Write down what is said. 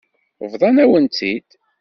Bḍan-awen-tt-id.